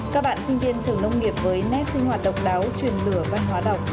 các bạn sinh viên trường nông nghiệp với nét sinh hoạt độc đáo truyền lửa và hóa động